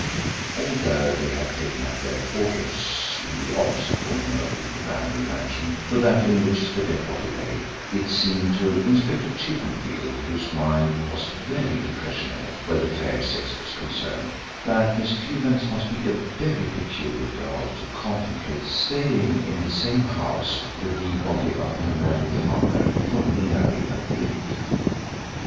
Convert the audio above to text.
Although they had taken up their quarters in the opposite wing of the rambling mansion to that in which the dead body lay, it seemed to Inspector Chippenfield whose mind was very impressionable where the fair sex was concerned that Miss Fewbanks must be a very peculiar girl to contemplate staying in the same house with the body of her murdered father for nearly a week.